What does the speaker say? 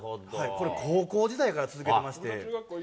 これ、高校時代から続けてまして。